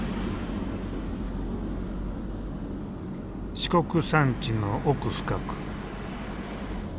四国山地の奥深く。